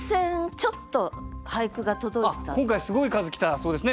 あっ今回すごい数来たそうですね。